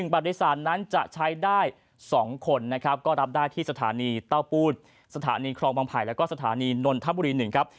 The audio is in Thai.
บัตรโดยสารนั้นจะใช้ได้๒คนนะครับก็รับได้ที่สถานีเต้าปูดสถานีครองบางไผ่แล้วก็สถานีนนทบุรี๑ครับ